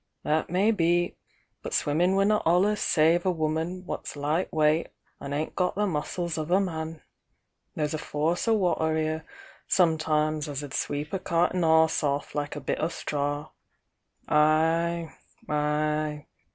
— that may be! — but swimmin' winnot aliens save a woman what's light weight an' ain't got the muscles of a man. There's a force o' water 'ere sometimes as 'ud sweep a cart an' 'ess off like a bit o' straw! Ay, ay!